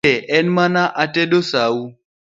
Tinde an ema atedo sau